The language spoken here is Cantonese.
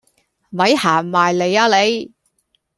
咪行埋嚟呀你